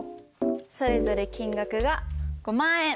それぞれ金額が５万円。